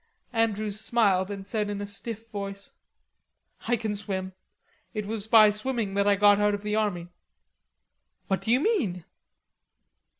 Andrews smiled, and said in a stiff voice: "I can swim. It was by swimming that I got out of the army." "What do you mean?"